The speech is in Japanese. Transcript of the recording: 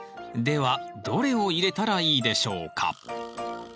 ではどれを入れたらいいでしょうか？